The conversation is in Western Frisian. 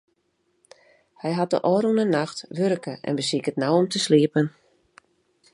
Hy hat de ôfrûne nacht wurke en besiket no om te sliepen.